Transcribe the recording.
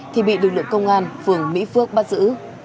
thì bị lực lượng công an phường mỹ phước bắt giữ